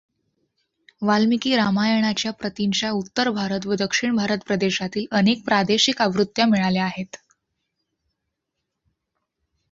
वाल्मीकी रामायणाच्या प्रतींच्या उत्तर भारत व दक्षिण भारत प्रदेशातील अनेक प्रादेशिक आवृत्त्या मिळाल्या आहेत.